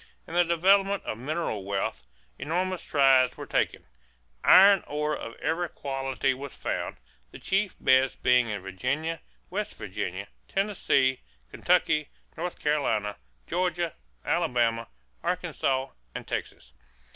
In the development of mineral wealth, enormous strides were taken. Iron ore of every quality was found, the chief beds being in Virginia, West Virginia, Tennessee, Kentucky, North Carolina, Georgia, Alabama, Arkansas, and Texas.